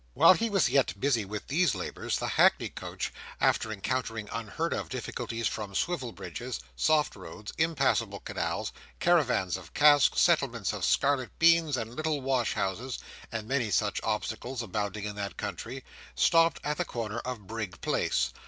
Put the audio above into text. While he was yet busy with these labours, the hackney coach, after encountering unheard of difficulties from swivel bridges, soft roads, impassable canals, caravans of casks, settlements of scarlet beans and little wash houses, and many such obstacles abounding in that country, stopped at the corner of Brig Place.